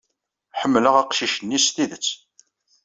Ḥemmleɣ aqcic-nni s tidet.